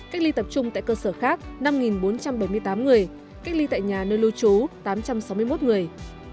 cách ly tập trung tại cơ sở khác năm bốn trăm bảy mươi tám người cách ly tại nhà nơi lưu trú tám trăm sáu mươi một người